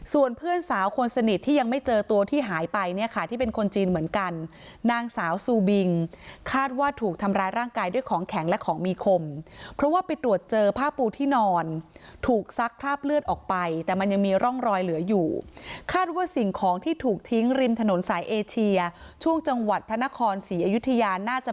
ส่วนเพื่อนสาวคนสนิทที่ยังไม่เจอตัวที่หายไปเนี่ยค่ะที่เป็นคนจีนเหมือนกันนางสาวซูบิงคาดว่าถูกทำร้ายร่างกายด้วยของแข็งและของมีคมเพราะว่าไปตรวจเจอผ้าปูที่นอนถูกซักคราบเลือดออกไปแต่มันยังมีร่องรอยเหลืออยู่คาดว่าสิ่งของที่ถูกทิ้งริมถนนสายเอเชียช่วงจังหวัดพระนครศรีอยุธยาน่าจะ